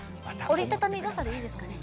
折り畳み傘でいいですかね。